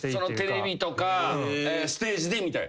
テレビとかステージで見たい？